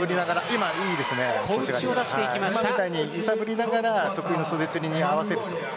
今みたいに揺さぶりながら得意の袖釣りに合わせる。